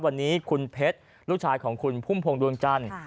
วันนี้คุณเพชรลูกชายของคุณพุ่มพวงดวงจันทร์